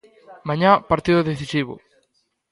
Mañá partido decisivo.